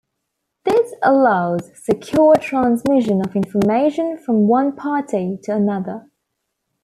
This allows secure transmission of information from one party to another.